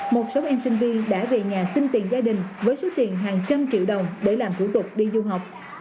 một số em sinh viên đã về nhà xin tiền gia đình với số tiền hàng trăm triệu đồng để làm thủ tục đi du học